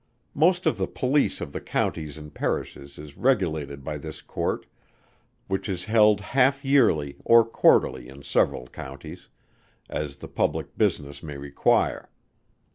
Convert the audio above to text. Most of the Police of the Counties and Parishes is regulated by this Court, which is held half yearly or quarterly in the several Counties, as the public business may require.